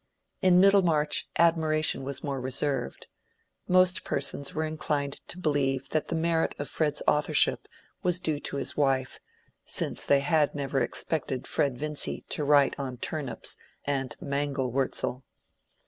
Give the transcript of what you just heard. In Middlemarch admiration was more reserved: most persons there were inclined to believe that the merit of Fred's authorship was due to his wife, since they had never expected Fred Vincy to write on turnips and mangel wurzel.